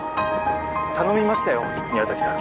頼みましたよ宮崎さん